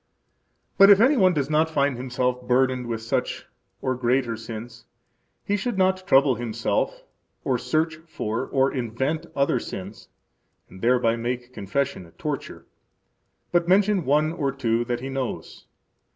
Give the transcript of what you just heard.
But if any one does not find himself burdened with such or greater sins, he should not trouble himself or search for or invent other sins, and thereby make confession a torture, but mention one or two that he knows.